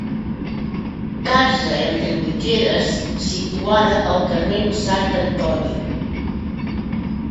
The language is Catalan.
Casa entre mitgeres, situada al carrer Sant Antoni.